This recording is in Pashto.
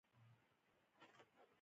پوځ د هېرولو یا هم له لاسه ورکولو لپاره.